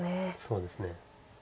そうですね。